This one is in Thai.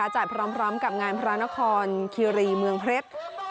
พร้อมกับงานพระนครคิรีเมืองเพชร